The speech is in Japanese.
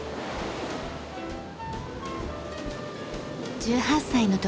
１８歳の時